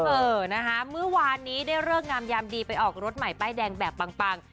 เออนะคะเมื่อวานนี้ได้เลิกงามยามดีไปออกรถใหม่ป้ายแดงแบบปัง